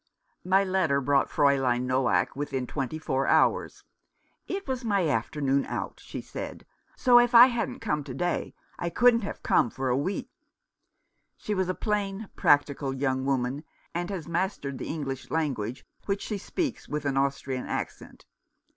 My letter brought Fraulein Xoack within twenty four hours. " It was my afternoon out," she said. " so if I 260 Mr. Faunce continues. hadn't come to day, I couldn't * have come for a week." She is a plain, practical young woman, and has mastered the English language, which she speaks with an Austrian accent.